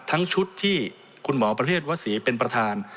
ชุดที่คุณหมอประเทศวศรีเป็นประธาน